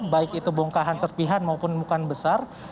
baik itu bongkahan serpihan maupun mukan besar